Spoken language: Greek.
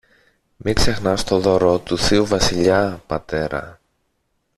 Μην ξεχνάς το δώρο του θείου Βασιλιά, πατέρα